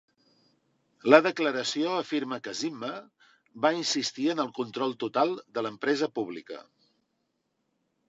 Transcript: La declaració afirma que Zimmer va insistir en el control total de l'empresa pública.